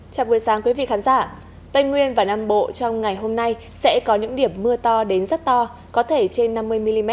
chào buổi sáng quý vị khán giả tây nguyên và nam bộ trong ngày hôm nay sẽ có những điểm mưa to đến rất to có thể trên năm mươi mm